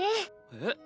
えっ？